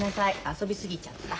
遊び過ぎちゃった。